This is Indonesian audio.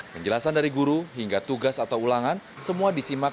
penjelasan dari guru hingga tugas atau ulangan semua disimak